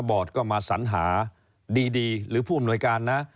บอร์ดก็มาสัญหาดีหรือผู้อำนวยการนะ